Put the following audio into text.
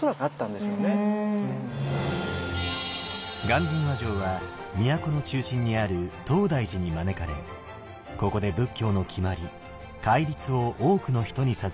鑑真和上は都の中心にある東大寺に招かれここで仏教の決まり戒律を多くの人に授けました。